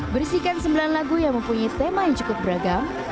bersihkan sembilan lagu yang mempunyai tema yang cukup beragam